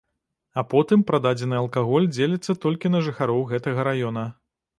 А потым прададзены алкаголь дзеліцца толькі на жыхароў гэтага раёна.